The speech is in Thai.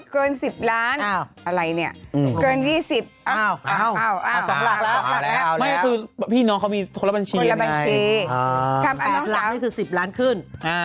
คนละบัญชีสองหลักนี่คือ๑๐ล้านขึ้น